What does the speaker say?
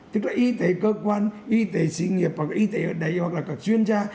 tức là y tế cơ quan y tế doanh nghiệp và y tế ở đây hoặc là cả chuyên gia